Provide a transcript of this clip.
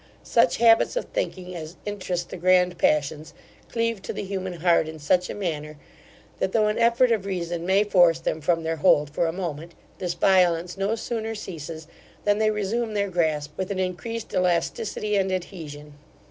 Such habits of thinking as interest the grand passions, cleave to the human heart in such a manner, that though an effort of reason may force them from their hold for a moment, this violence no sooner ceases, than they resume their grasp with an increased elasticity and adhesion.